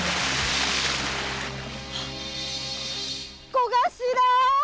小頭！